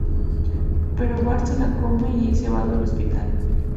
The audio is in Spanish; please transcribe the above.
Pero Bart se la come y es llevado al hospital.